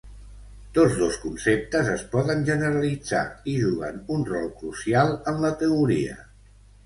Tots dos conceptes es poden generalitzar, i juguen un rol crucial en la teoria.